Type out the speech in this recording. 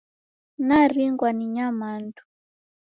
Naringwa ni nyamandu.